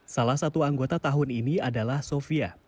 salah satu anggota tahun ini adalah sofia